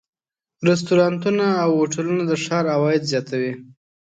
رستورانتونه او هوټلونه د ښار عواید زیاتوي.